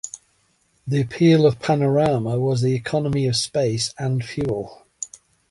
The appeal of Panorama was the economy of space and fuel.